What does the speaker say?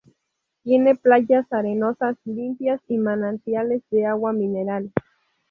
Tiene playas arenosas limpias y manantiales de agua mineral.